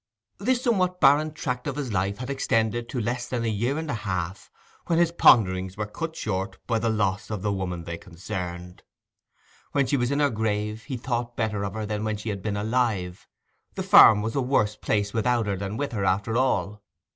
This somewhat barren tract of his life had extended to less than a year and a half when his ponderings were cut short by the loss of the woman they concerned. When she was in her grave he thought better of her than when she had been alive; the farm was a worse place without her than with her, after all.